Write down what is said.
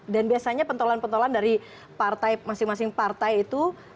dan biasanya pentolan pentolan dari partai masing masing partai itu